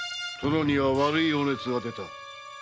殿には悪いお熱が出た。